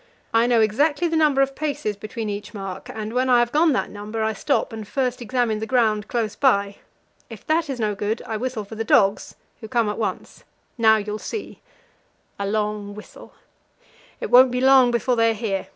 I know exactly the number of paces between each mark, and when I have gone that number, I stop and first examine the ground close by. If that is no good, I whistle for the dogs, who come at once. Now you'll see" a long whistle "it won't be long before they are here.